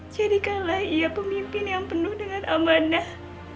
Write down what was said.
kalah ia pemimpin yang penuh dengan amanah